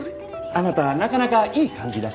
あなたなかなかいい感じだし。